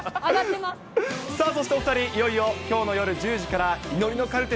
さあ、そしてお２人、いよいよきょうの夜１０時から、祈りのカルテ